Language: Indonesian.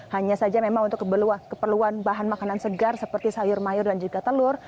hanya saja memang untuk keperluan bahan makanan segar seperti sayur mayur dan juga telur